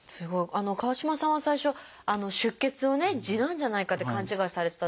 川島さんは最初出血をね痔なんじゃないかって勘違いされてた。